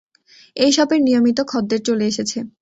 এই শপের নিয়মিত খদ্দের চলে এসেছে!